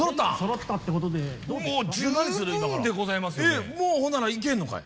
えっもうほんなら行けんのかい。